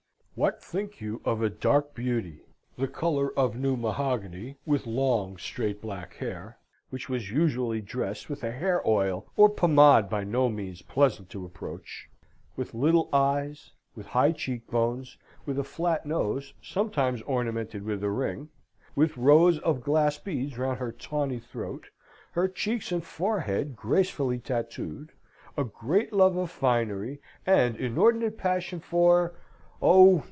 "What think you of a dark beauty, the colour of new mahogany with long straight black hair, which was usually dressed with a hair oil or pomade by no means pleasant to approach, with little eyes, with high cheek bones, with a flat nose, sometimes ornamented with a ring, with rows of glass beads round her tawny throat, her cheeks and forehead gracefully tattooed, a great love of finery, and inordinate passion for oh!